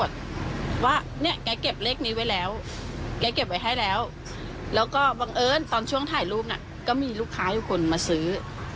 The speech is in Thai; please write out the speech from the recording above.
เช่นตอนช่วงถ่ายรูปน่ะก็มีลูกค้าทุกคนมาซื้อ